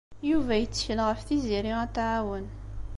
Yuba yettkel ɣef Tiziri ad t-tɛawen.